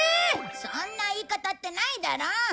そんな言い方ってないだろ。